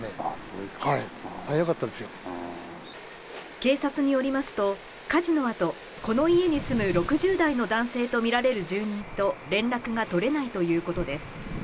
警察によりますと火事の後、この家に住む６０代の男性とみられる住人と連絡が取れないということです。